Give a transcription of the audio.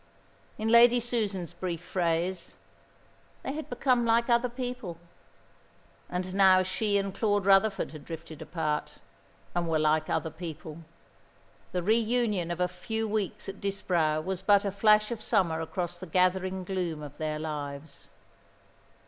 In Lady Susan's brief phrase, "They had become like other people." And now she and Claude Rutherford had drifted apart, and were like other people. The reunion of a few weeks at Disbrowe was but a flash of summer across the gathering gloom of their lives.